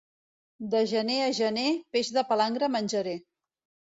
De gener a gener, peix de palangre menjaré.